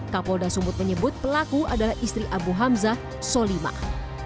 kapolda sumut menyebut pelaku adalah istri abu hamzah solimah